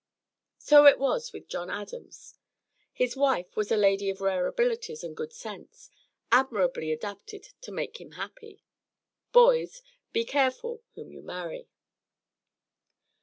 So it was with John Adams; his wife was a lady of rare abilities and good sense, admirably adapted to make him happy. Boys, be careful whom you marry!